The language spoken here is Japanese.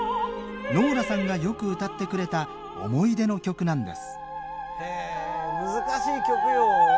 ノーラさんがよく歌ってくれた思い出の曲なんですへ難しい曲よ。